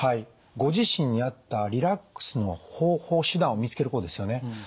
ご自身に合ったリラックスの方法手段を見つけることですよね。